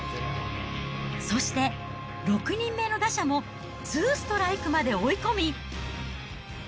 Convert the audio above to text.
そして、６人目の打者もツーストライクまで追い込み。